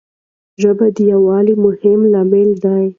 ژبه د یووالي مهم لامل دی.